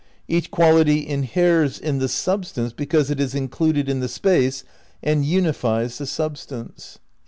Each quality inheres in the substance because it is included in the space and unifies the substance."